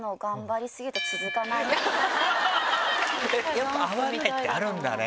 やっぱ合わないってあるんだね。